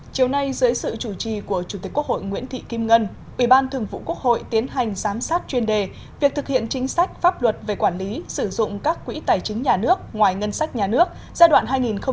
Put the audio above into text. chiều nay dưới sự chủ trì của chủ tịch quốc hội nguyễn thị kim ngân ủy ban thường vụ quốc hội tiến hành giám sát chuyên đề việc thực hiện chính sách pháp luật về quản lý sử dụng các quỹ tài chính nhà nước ngoài ngân sách nhà nước giai đoạn hai nghìn một mươi sáu hai nghìn hai mươi